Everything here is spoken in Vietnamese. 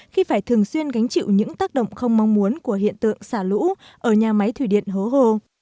khi phải thường xuyên gánh chịu những tác động không mong muốn của hiện tượng xả lũ ở nhà máy thủy điện hố hô